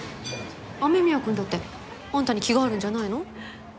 雨宮くんだってあんたに気があるんじゃないの？